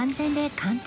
簡単？